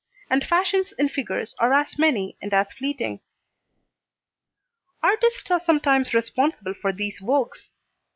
and fashions in figures are as many and as fleeting. Artists are sometimes responsible for these vogues.